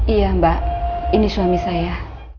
iya mbak ini suami saya